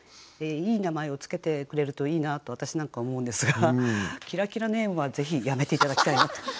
いい名前を付けてくれるといいなと私なんかは思うんですがキラキラネームはぜひやめて頂きたいなと。